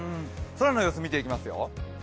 空の様子を見ていきますよ。